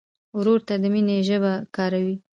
ورور ته د مینې ژبه کاروې.